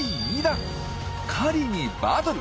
狩りにバトル！